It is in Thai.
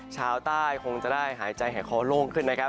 ชาวใต้คงจะได้หายใจหายคอโล่งขึ้นนะครับ